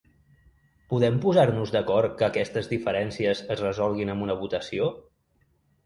Podem posar-nos d’acord que aquestes diferències es resolguin amb una votació?